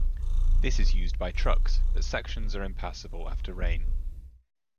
This is used by trucks but sections are impassable after rain.